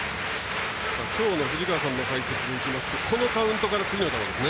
きょうの藤川さんの解説でいきますとこのカウントで次の球ですね。